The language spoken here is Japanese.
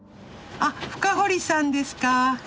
あっ深堀さんですか？